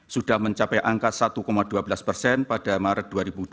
sudah mencapai angka satu dua belas persen pada maret dua ribu dua puluh